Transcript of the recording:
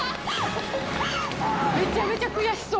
めちゃめちゃ悔しそう。